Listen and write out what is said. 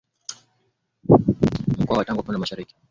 Mkoa wa Tanga upande wa mashariki